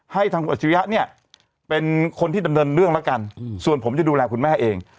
ให้ทางคุณอาชิริยะเนี่ยเป็นคนที่ดำเนินเรื่องแล้วกันส่วนผมจะดูแลคุณแม่เอง